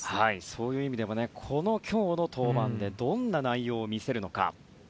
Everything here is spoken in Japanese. そういう意味でも今日の登板でどんな内容を見せるのか。